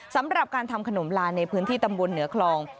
สำหรับการทำขนมลาในพื้นที่ตำบลเหนือคลอง